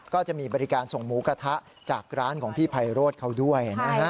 ก็จะมีบริการส่งหมูกระทะจากร้านของพี่ไพโรธเขาด้วยนะฮะ